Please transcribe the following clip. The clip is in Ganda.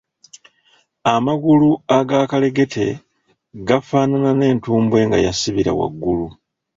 Amagulu agakalegete gafaanana n’entumbwe nga yasibira waggulu.